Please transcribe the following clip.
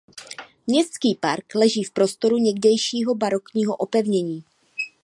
Městský park leží v prostoru někdejšího barokního opevnění.